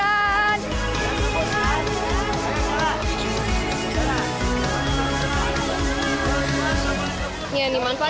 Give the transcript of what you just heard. manfaatnya bikin badan kita sehat